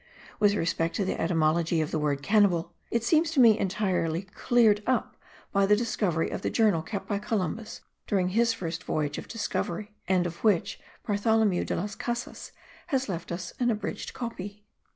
With respect to the etymology of the word cannibal, it seems to me entirely cleared up by the discovery of the journal kept by Columbus during his first voyage of discovery, and of which Bartholomew de las Casas has left us an abridged copy.